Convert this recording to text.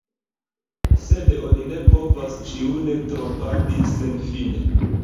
Sed oni ne povas ĉiun trompadi senfine.